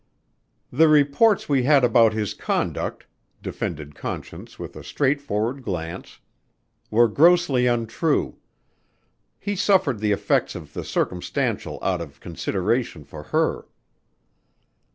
"The reports we had about his conduct," defended Conscience with a straightforward glance, "were grossly untrue. He suffered the effects of the circumstantial out of consideration for her."